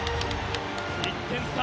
１点差。